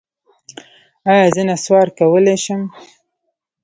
ایا زه نسوار کولی شم؟